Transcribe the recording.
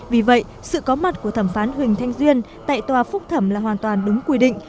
vì vậy sự có mặt của thẩm phán huỳnh thanh duyên tại tòa phúc thẩm là hoàn toàn đúng quy định